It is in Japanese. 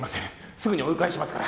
すぐに追い返しますから。